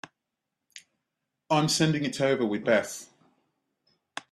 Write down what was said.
I'm sending it over with Beth.